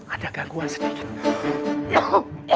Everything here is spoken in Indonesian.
ada gangguan sedikit